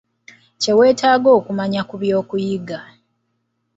Kye weetaaga okumanya ku by'okuyiga.